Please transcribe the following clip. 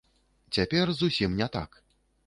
Цяпер зусім не так.